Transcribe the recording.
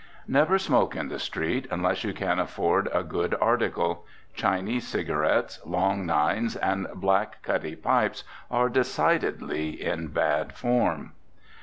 Never smoke in the street, unless you can afford a good article. Chinese cigarettes, long nines, and black cutty pipes are decidedly in bad form.